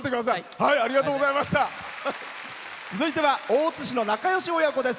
続いては大津市の仲よし親子です。